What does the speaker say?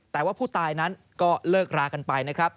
แต่ว่าผู้ตายนั้นก็เลิกรากันไปนะครับ